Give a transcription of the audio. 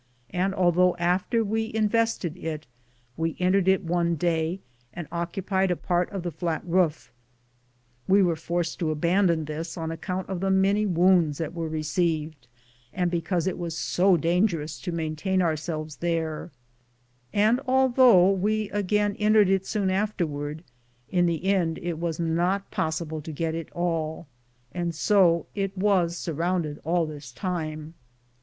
And although after we invested it, we entered it one day and occupied a part of the flat roof, we were SOS ],!,r,z«j I:, Google THE JOURNEY OP CORONADO forced to abandon this on account, of the many wounds that were received and because it was so dangerous to maintain ourselves there, and although we again entered it soon afterward, in the end it was not possible to get it all, and so it was surrounded all this time.